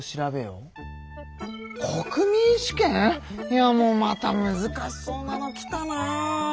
いやもうまたむずかしそうなのきたなあ。